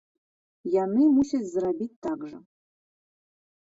Яны мусяць зрабіць так жа.